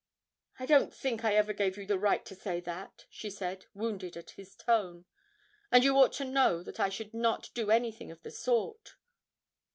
'I don't think I ever gave you the right to say that,' she said, wounded at his tone, 'and you ought to know that I should not do anything of the sort.'